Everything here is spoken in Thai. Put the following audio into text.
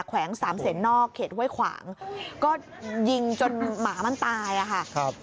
แขวง๓เซนนอกเขตเว้ยขวางก็ยิงจนหมามันตายอ่ะค่ะ